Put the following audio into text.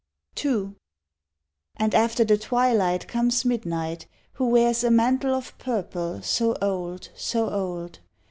II. And after the twilight comes midnight, who wears A mantle of purple so old, so old!